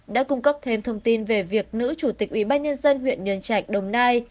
đã cung cấp thêm thông tin về việc nữ chủ tịch ủy ban nhân dân huyện nhân trạch đồng nai